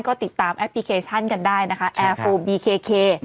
ก็ติดตามแอปพลิเคชันกันได้นะคะแอร์โฟลบีเค